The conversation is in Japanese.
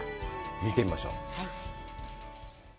見てみましょう。